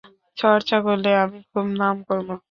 চর্চা করলে আমি খুব নাম করব।